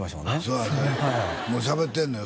そうやもうしゃべってんのよ